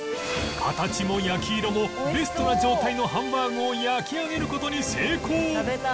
形も焼き色もベストな状態のハンバーグを焼き上げる事に成功！